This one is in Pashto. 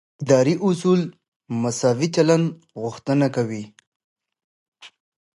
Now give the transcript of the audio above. اداري اصول د مساوي چلند غوښتنه کوي.